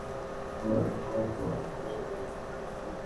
এর খবর এ-বাড়ির অন্য কেউ জানে না।